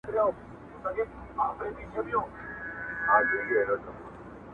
څوك به ويښ څوك به بيده څوك نا آرام وو.!